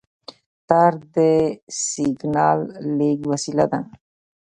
تار د سیګنال لېږد وسیله ده.